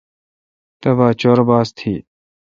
تبا چور باس تھی۔